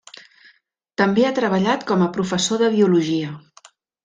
També ha treballat com a professor de biologia.